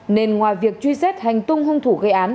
nên ngoài việc truy xét hành tung hung thủ gây án